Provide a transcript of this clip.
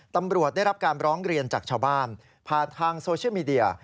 ตำรวจได้รับการร้องเรียนจากชาวบ้านผ่านทางโซเชียลมีเดีย